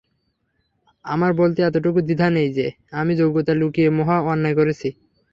আমার বলতে এতটুকু দ্বিধা নেই যে, আমি যোগ্যতা লুকিয়ে মহা অন্যায় করেছি।